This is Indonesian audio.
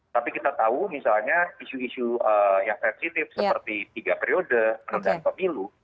tapi kita tahu misalnya isu isu yang sensitif seperti tiga periode penundaan pemilu